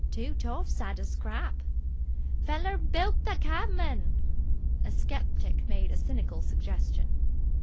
"Two toffs 'ad a scrap!" "Feller bilked the cabman!" A sceptic made a cynical suggestion.